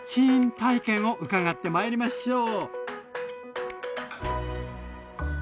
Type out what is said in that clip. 体験を伺ってまいりましょう！